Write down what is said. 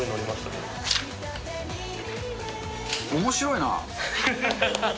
けれおもしろいな。